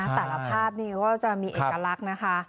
แต่ละภาพนี้ก็จะมีเอกลักษณ์นะคะ